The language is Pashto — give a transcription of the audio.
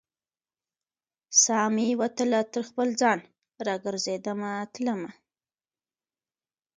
سا مې وتله تر خپل ځان، را ګرزیدمه تلمه